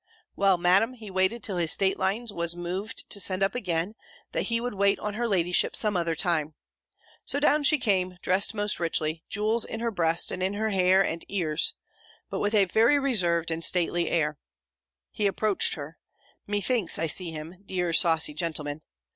Well, Madam, he waited till his stateliness was moved to send up again, that he would wait on her ladyship some other time. So down she came, dressed most richly, jewels in her breast, and in her hair, and ears But with a very reserved and stately air. He approached her Methinks I see him, dear saucy gentleman.